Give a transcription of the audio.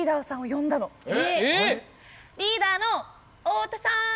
えっ？リーダーの太田さん！